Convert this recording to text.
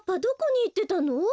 どこにいってたの？